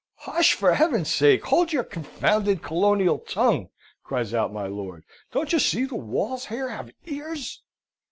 "Hush! for Heaven's sake, hold your confounded colonial tongue!" cries out my lord. "Don't you see the walls here have ears!"